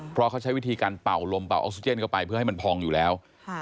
เพราะเขาใช้วิธีการเป่าลมเป่าออกซิเจนเข้าไปเพื่อให้มันพองอยู่แล้ว